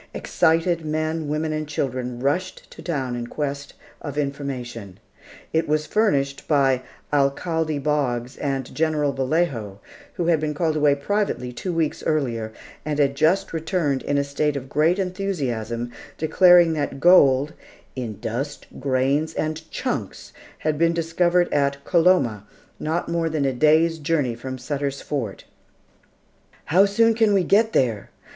Excited men, women, and children rushed to town in quest of information. It was furnished by Alcalde Boggs and General Vallejo, who had been called away privately two weeks earlier, and had just returned in a state of great enthusiasm, declaring that gold, "in dust, grains, and chunks had been discovered at Coloma, not more than a day's journey from Sutter's Fort." "How soon can we get there?"